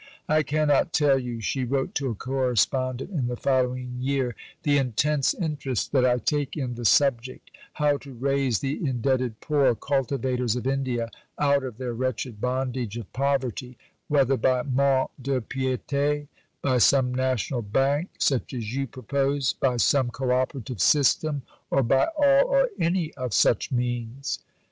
"I cannot tell you," she wrote to a correspondent in the following year, "the intense interest that I take in the subject: how to raise the indebted poor cultivators of India out of their wretched bondage of poverty, whether by monts de piété, by some National Bank, such as you propose, by some co operative system, or by all or any of such means."